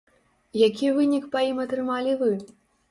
Які вынік па ім атрымалі вы?